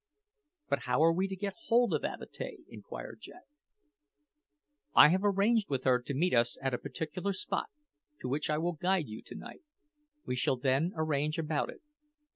"But how are we to get hold of Avatea?" inquired Jack. "I have arranged with her to meet us at a particular spot, to which I will guide you to night. We shall then arrange about it.